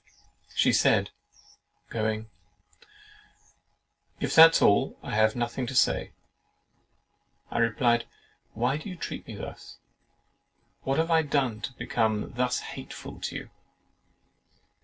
She said (going) "If that's all, I have nothing to say." I replied, "Why do you treat me thus? What have I done to become thus hateful to you?"